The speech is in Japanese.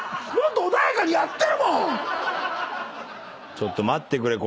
ちょっと待ってくれ。